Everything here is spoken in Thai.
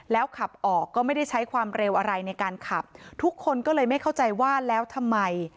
แล้วขับออกก็ไม่ได้ใช้ความเร็วอะไรในการขับทุกคนก็เลยไม่เข้าใจว่าแล้วทำไม